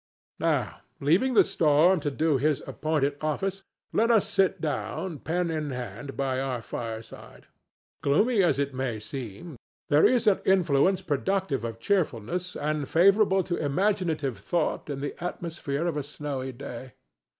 Now, leaving the Storm to do his appointed office, let us sit down, pen in hand, by our fireside. Gloomy as it may seem, there is an influence productive of cheerfulness and favorable to imaginative thought in the atmosphere of a snowy day.